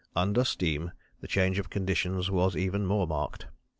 Under steam the change of conditions was even more marked.